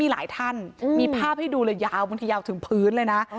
หลายท่านมีภาพให้ดูเลยยาวบางทียาวถึงพื้นเลยนะ